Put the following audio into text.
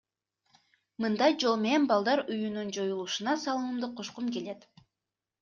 Мындай жол менен балдар үйүнүн жоюлушуна салымымды кошкум келет.